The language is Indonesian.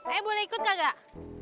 eh boleh ikut kagak